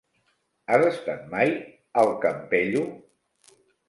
Has estat mai al Campello?